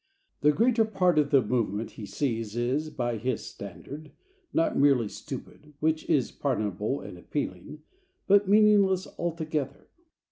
The greater part of the movement he sees is (by his standard) not merely stupid (which is pardonable and appealing), but meaningless altogether.